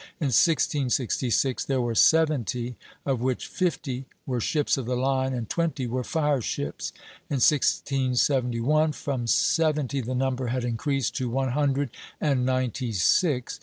In 1666 there were seventy, of which fifty were ships of the line and twenty were fire ships; in 1671, from seventy the number had increased to one hundred and ninety six.